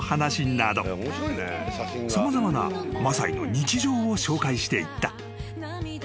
［様々なマサイの日常を紹介していった］